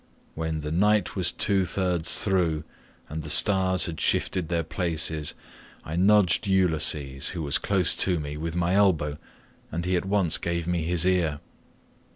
When the night was two thirds through and the stars had shifted their places, I nudged Ulysses who was close to me with my elbow, and he at once gave me his ear.